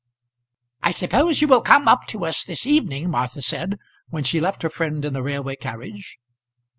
"I suppose you will come up to us this evening?" Martha said, when she left her friend in the railway carriage.